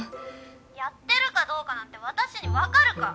やってるかどうかなんて私に分かるか！